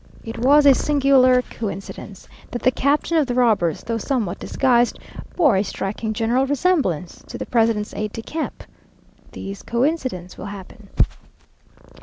It was a singular coincidence that the captain of the robbers, though somewhat disguised, bore a striking general resemblance to the president's aide de camp! These coincidences will happen....